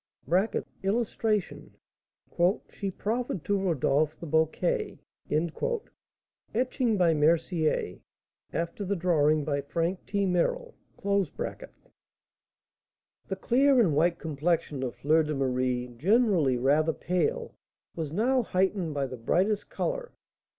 [Illustration: "She Proffered to Rodolph the Bouquet" Etching by Mercier, after the drawing by Frank T. Merrill] The clear and white complexion of Fleur de Marie, generally rather pale, was now heightened by the brightest colour.